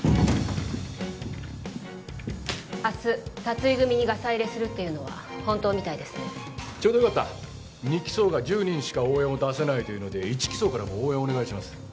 明日辰井組にガサ入れするっていうのは本当みたいですねちょうどよかった２機捜が１０人しか応援を出せないというので１機捜からも応援お願いします